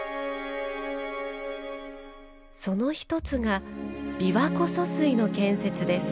その一つが「琵琶湖疏水」の建設です。